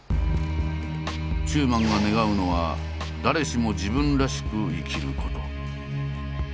中馬が願うのは誰しも自分らしく生きること。